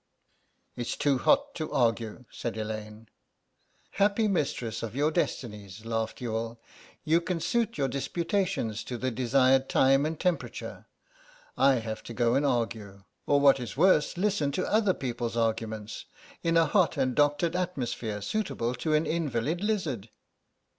"It's too hot to argue," said Elaine. "Happy mistress of your destinies," laughed Youghal; "you can suit your disputations to the desired time and temperature. I have to go and argue, or what is worse, listen to other people's arguments, in a hot and doctored atmosphere suitable to an invalid lizard."